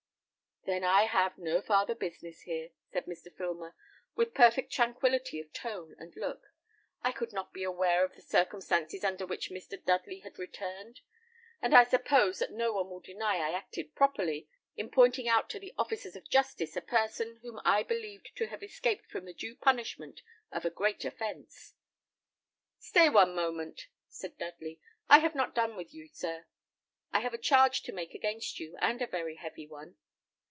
"Then I have no farther business here," said Mr. Filmer, with perfect tranquillity of tone and look. "I could not be aware of the circumstances under which Mr. Dudley had returned; and I suppose that no one will deny I acted properly, in pointing out to the officers of justice a person whom I believed to have escaped from the due punishment of a great offence." "Stay one moment," said Dudley, "I have not yet done with you, sir. I have a charge to make against you, and a very heavy one."